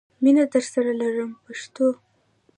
مینه درسره لرم پښتنو.